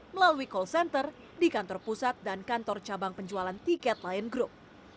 melalui call center di kantor pusat dan kantor cabang penjualan tiket lion group